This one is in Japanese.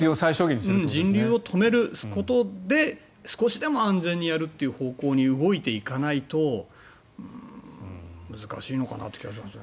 人流を止めることで少しでも安全にやるという方向で動いていかないと難しいのかなという気がしますね。